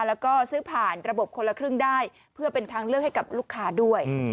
แล้วก็ซื้อผ่านระบบคนละครึ่งได้เพื่อเป็นทางเลือกให้กับลูกค้าด้วย